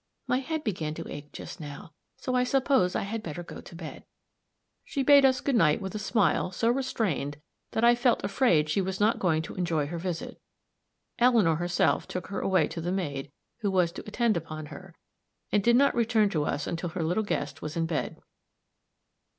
My head began to ache just now so I suppose I had better go to bed." She bade us good night with a smile so restrained that I felt afraid she was not going to enjoy her visit. Eleanor herself took her away to the maid who was to attend upon her, and did not return to us until her little guest was in bed.